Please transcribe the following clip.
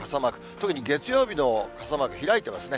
特に月曜日の傘マーク、開いてますね。